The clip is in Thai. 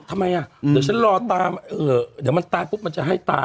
ทำไมอ่ะเดี๋ยวฉันรอตามเดี๋ยวมันตายปุ๊บมันจะให้ตา